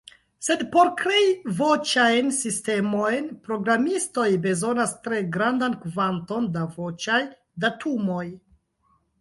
Sed por krei voĉajn sistemojn, programistoj bezonas tre grandan kvanton da voĉaj datumoj.